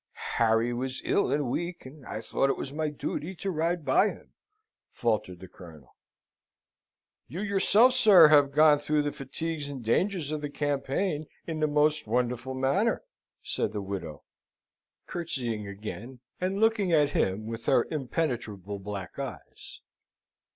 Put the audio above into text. "Harry was ill and weak, and I thought it was my duty to ride by him," faltered the Colonel. "You yourself, sir, have gone through the fatigues and dangers of the campaign in the most wonderful manner," said the widow, curtseying again, and looking at him with her impenetrable black eyes.